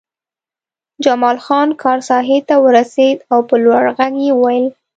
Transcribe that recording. جمال خان کار ساحې ته ورسېد او په لوړ غږ یې وویل